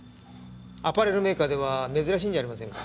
アパレルメーカーでは珍しいんじゃありませんか？